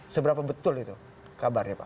seberapa betul itu kabarnya pak